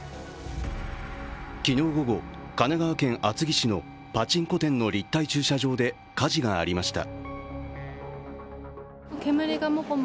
昨日午後、神奈川県厚木市のパチンコ店の立体駐車場で火事がありました。